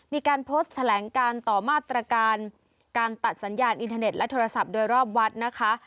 มีการโพสต์แถลงการต่อมาตรการการตัดสัญญาณอินเทอร์เน็ตและโทรศัพท์โดยรอบวัดนะคะ